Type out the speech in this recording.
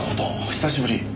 久しぶり。